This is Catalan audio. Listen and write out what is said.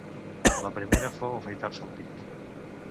La primera fou afaitar-se el pit.